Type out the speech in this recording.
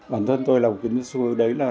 bản thân tôi là một kiến trúc sư đấy là